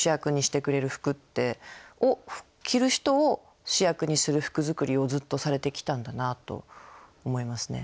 着る人を主役にする服作りをずっとされてきたんだなと思いますね。